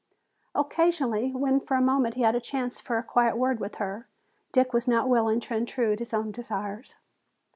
Occasionally, when for a moment he had a chance for a quiet word with her, Dick was not willing to intrude his own desires.